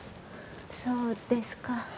そうですか。